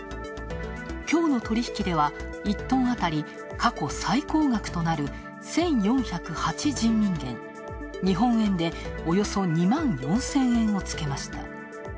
きょうの取引では１トンあたり過去最高額となる１４０８人民元、日本円でおよそ２万４０００円をつけました。